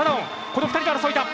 この２人の争いだ。